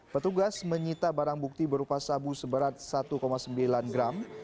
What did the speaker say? petugas menyita barang bukti berupa sabu seberat satu sembilan gram